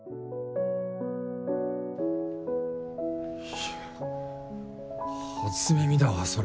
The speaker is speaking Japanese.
いや初耳だわそれ。